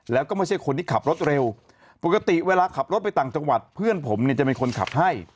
แล้วก็ไม่ใช่คนที่ขับรถเร็วปกติเวลาขับรถไปต่างจังหวัดเพื่อนผมเนี่ยจะเป็นคนขับให้